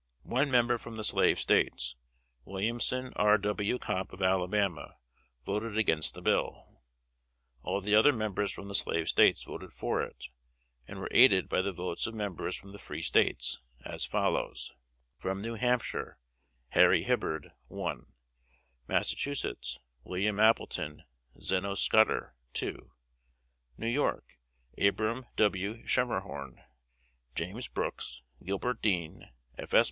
One member from the slave States, Williamson R. W. Cobb, of Alabama, voted against the bill. All the other members from the slave States voted for it; and were aided by the votes of members from the free States, as follows: From New Hampshire: Harry Hibbard 1. Massachusetts: Wm. Appleton, Zeno Scudder 2. New York: Abram M. Schemmerhorn, James Brooks, Gilbert Dean, F. S.